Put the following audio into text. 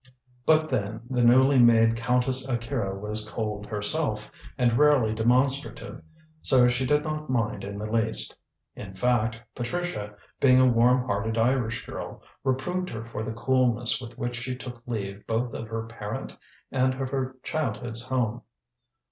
But then the newly made Countess Akira was cold herself and rarely demonstrative, so she did not mind in the least. In fact, Patricia, being a warmhearted Irish girl, reproved her for the coolness with which she took leave both of her parent and of her childhood's home.